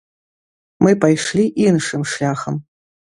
Мы пайшлі іншым шляхам.